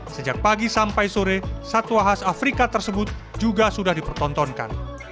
sejak pagi sampai sore satwa khas afrika tersebut juga sudah dipertontonkan